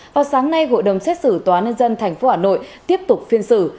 vào sáng nay hội đồng xét xử tòa nhân dân tp hà nội tiếp tục phiên xử